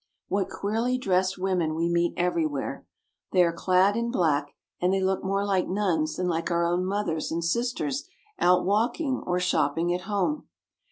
What queerly dressed women we meet everywhere ! They are clad in black, and they look more like nuns than Hke our own mothers and sisters out walking or shopping at home.